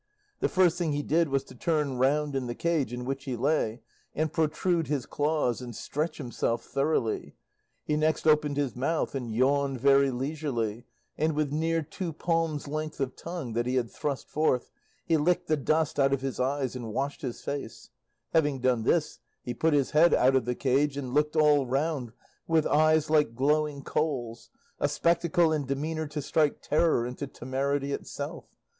The first thing he did was to turn round in the cage in which he lay, and protrude his claws, and stretch himself thoroughly; he next opened his mouth, and yawned very leisurely, and with near two palms' length of tongue that he had thrust forth, he licked the dust out of his eyes and washed his face; having done this, he put his head out of the cage and looked all round with eyes like glowing coals, a spectacle and demeanour to strike terror into temerity itself.